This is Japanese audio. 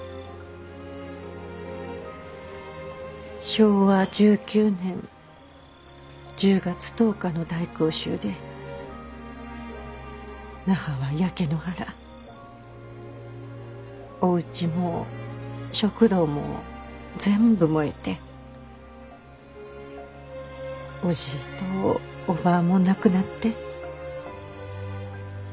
昭和１９年１０月１０日の大空襲で那覇は焼け野原おうちも食堂も全部燃えておじぃとおばぁも亡くなって。